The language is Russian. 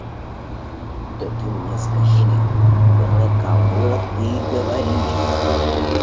Да ты мне скажи, про кого ты говоришь?